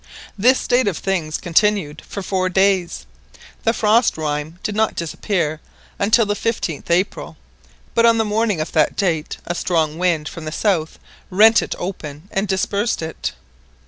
This state of things continued for four days. The frost rime did not disappear until the 15th April, but on the morning of that date a strong wind from the south rent it open and dispersed it.